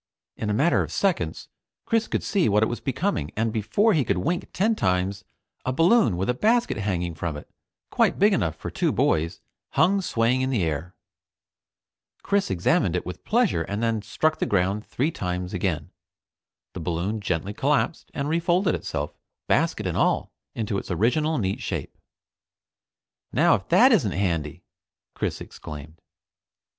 In a matter of seconds, Chris could see what it was becoming, and before he could wink ten times, a balloon with a basket hanging from it, quite big enough for two boys, hung swaying in the air. Chris examined it with pleasure and then struck the ground three times again. The balloon gently collapsed and refolded itself, basket and all, into its original neat shape. "Now, if that isn't handy!" Chris exclaimed.